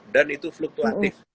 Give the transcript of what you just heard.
dan itu fluktuatif